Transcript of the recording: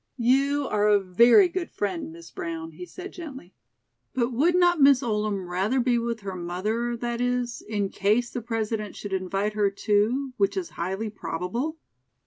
"You are a very good friend, Miss Brown," he said gently; "but would not Miss Oldham rather be with her mother, that is, in case the President should invite her, too, which is highly probable?"